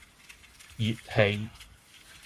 熱氣